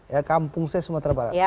ya kampung saya sumatera barat